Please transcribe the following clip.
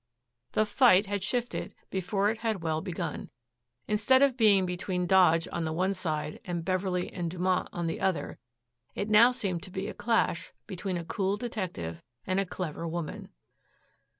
The fight had shifted before it had well begun. Instead of being between Dodge on one side and Beverley and Dumont on the other, it now seemed to be a clash between a cool detective and a clever woman.